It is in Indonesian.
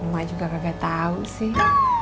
emak juga kagak tau sih